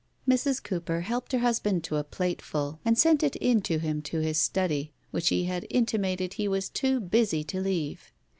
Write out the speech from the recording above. Mrs. Cooper helped her husband to a plateful, and sent it in to him to his study, which he had intimated he was too busy to leave.